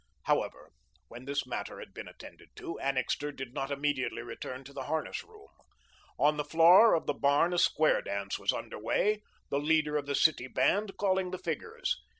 However, when this matter had been attended to, Annixter did not immediately return to the harness room. On the floor of the barn a square dance was under way, the leader of the City Band calling the figures.